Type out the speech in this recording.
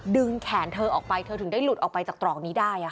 แขนเธอออกไปเธอถึงได้หลุดออกไปจากตรอกนี้ได้